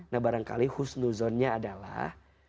nah barangkali husnuzonnya adalah